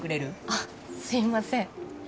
あっすいません